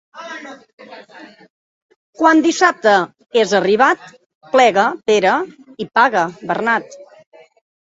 Quan dissabte és arribat, plega, Pere, i paga, Bernat.